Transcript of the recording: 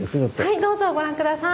はいどうぞご覧下さい。